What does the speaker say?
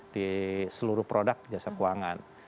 di seluruh produk jasa keuangan